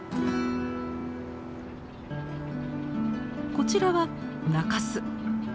こちらは中州。